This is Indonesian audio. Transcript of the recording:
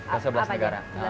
ke sebelas negara